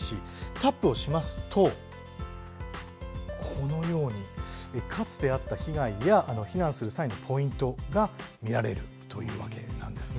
タップをしますとこのように、かつてあった被害や避難する際のポイントが見られるというわけなんですね。